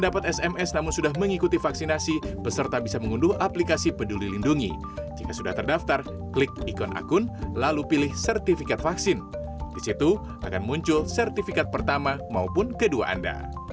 peserta bisa mengunduh aplikasi peduli lindungi jika sudah terdaftar klik ikon akun lalu pilih sertifikat vaksin di situ akan muncul sertifikat pertama maupun kedua anda